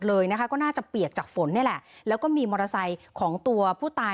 เลยนะคะก็น่าจะเปียกจากฝนนี่แหละแล้วก็มีมอเตอร์ไซค์ของตัวผู้ตาย